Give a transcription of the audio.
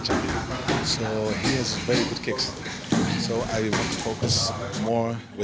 jadi saya ingin lebih fokus dengan kaki